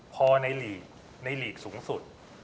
พอในหลีกในหลีกสูงสุด